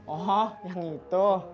oh yang itu